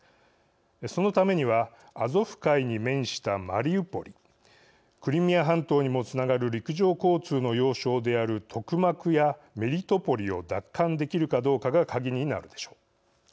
そのためには、アゾフ海に面したマリウポリクリミア半島にもつながる陸上交通の要衝であるトクマクやメリトポリを奪還できるかどうかが鍵になるでしょう。